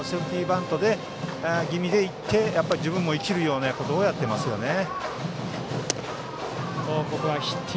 バント気味でいって自分も生きるようなことをやっていますね。